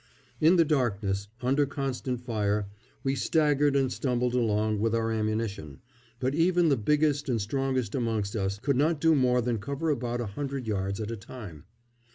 In the darkness, under constant fire, we staggered and stumbled along with our ammunition; but even the biggest and strongest amongst us could not do more than cover about a hundred yards at a time.